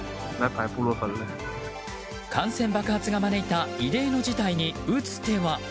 感染爆発が招いた異例の事態に打つ手は。